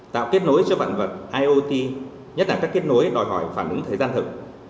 tạo kết nối cho vạn vật iot nhất là các kết nối đòi hỏi phản ứng thời gian thực